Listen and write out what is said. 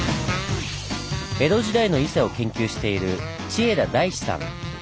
江戸時代の伊勢を研究している千枝大志さん。